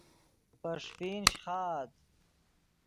پے ݰیفین شیخآت